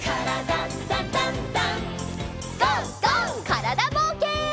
からだぼうけん。